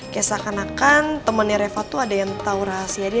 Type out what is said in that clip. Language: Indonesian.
kayak seakan akan temennya reva tuh ada yang tau rahasia dia